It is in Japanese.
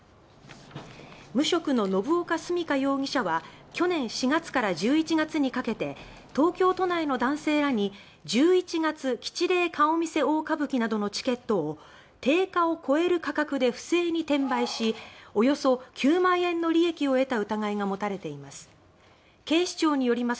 無職の信岡純佳容疑者は去年４月から１１月にかけて東京都内の男性らに十一月吉例顔見世大歌舞伎などのチケットを定価を超える価格で不正に転売しおよそ９万円の利益を得た疑いが持たれています。